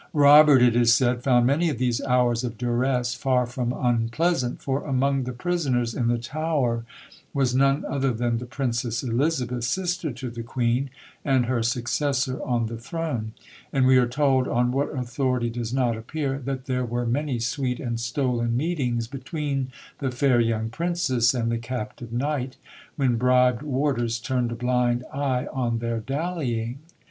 Robert, it is said, found many of these hours of duress far from unpleasant; for among the prisoners in the Tower was none other than the Princess Elizabeth, sister to the Queen (and her successor on the throne); and we are told, on what authority does not appear, that there were many sweet and stolen meetings between the fair young Princess and the captive knight, when bribed warders turned a blind eye on their dallying.